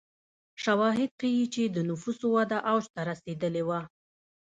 شواهد ښيي چې د نفوسو وده اوج ته رسېدلې وه.